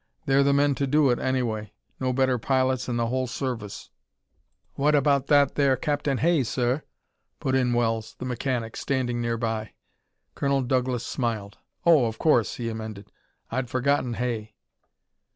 They're the men to do it, anyway. No better pilots in the whole service." "Wot abaht that there Captain Hay, sir?" put in Wells, the mechanic, standing nearby. Colonel Douglas smiled. "Oh, of course!" he amended. "I'd forgotten Hay!"